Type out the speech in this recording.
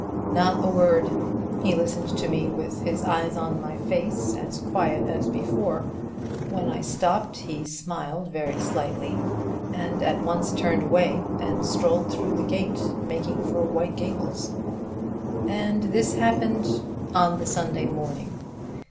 "Not a word. He listened to me with his eyes on my face, as quiet as before. When I stopped he smiled very slightly, and at once turned away and strolled through the gate, making for White Gables." "And this happened ?" "On the Sunday morning."